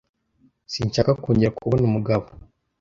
Sinshaka kongera kubona umugabo.